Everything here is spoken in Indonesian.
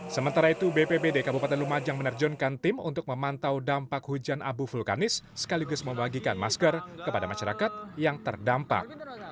sementara itu bpbd kabupaten lumajang menerjunkan tim untuk memantau dampak hujan abu vulkanis sekaligus membagikan masker kepada masyarakat yang terdampak